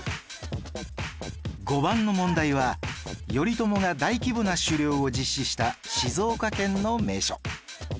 ５番の問題は頼朝が大規模な狩猟を実施した静岡県の名所